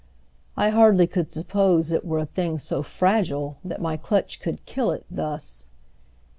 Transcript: I hardly could suppose It were a thing so fragile that my clutch Could kill it, thus.